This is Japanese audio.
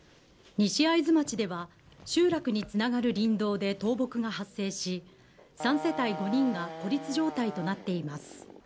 西会津町では、集落につながる林道で倒木が発生し、３世帯５人が孤立状態となっています。